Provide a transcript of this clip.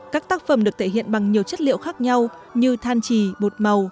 các tác phẩm được thể hiện bằng nhiều chất liệu khác nhau như than trì bột màu